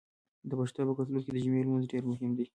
د پښتنو په کلتور کې د جمعې لمونځ ډیر مهم دی.